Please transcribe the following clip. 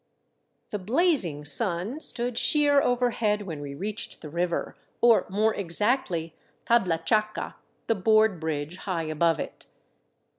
The blazing sun stood sheer overhead when we reached the river, or more exactly Tablachaca, the " board bridge " high above it.